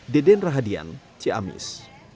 deden rahadian ciamis